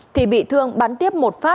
thì bị thương bắn tiếp một phát